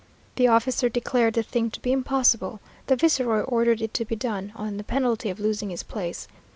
The officer declared the thing to be impossible. The viceroy ordered it to be done, on the penalty of losing his place.